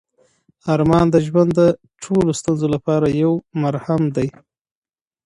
ارمان د ژوند د ټولو ستونزو لپاره یو مرهم دی.